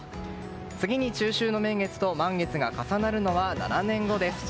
次に中秋の名月と満月が重なるのは７年後です。